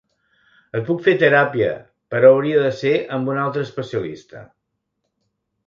Et puc fer teràpia, però hauria de ser amb un altre especialista.